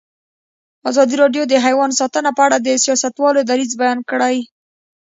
ازادي راډیو د حیوان ساتنه په اړه د سیاستوالو دریځ بیان کړی.